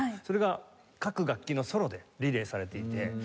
それが各楽器のソロでリレーされていて。